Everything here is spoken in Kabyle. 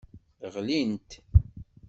Ɣlint.